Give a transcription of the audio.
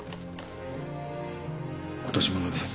落とし物です。